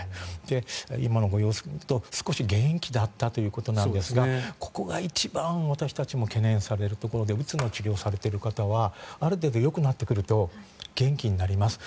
今のご様子を見ると少し元気だったということなんですがここが一番私たちも懸念されるところでうつの治療をされている方はある程度よくなってくると元気になります。